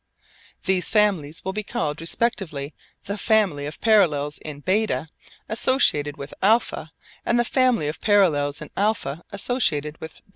These families will be called respectively the family of parallels in β associated with α, and the family of parallels in α associated with β.